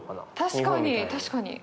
確かに確かに。